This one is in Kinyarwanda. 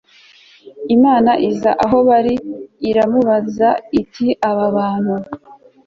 imana iza aho bal mu ari iramubaza iti aba bantu